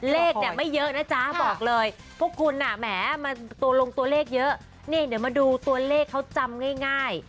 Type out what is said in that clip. เลขเนี่ยไม่เยอะนะจ๊ะบอกเลยพวกคุณอ่ะแหมมาตัวลงตัวเลขเยอะนี่เดี๋ยวมาดูตัวเลขเขาจำง่าย